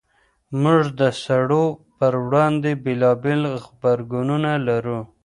موږ د سړو پر وړاندې بېلابېل غبرګونونه لرو.